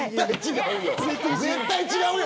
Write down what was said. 絶対に違うよ。